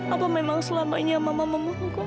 apa memang selamanya mama memukulku